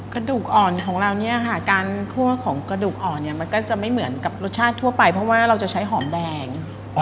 กระดูกอ่อนของเราเนี่ยค่ะการคั่วของกระดูกอ่อนเนี่ยมันก็จะไม่เหมือนกับรสชาติทั่วไปเพราะว่าเราจะใช้หอมแดง